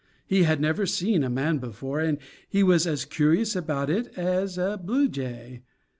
He had never seen a man before, and he was as curious about it as a blue jay.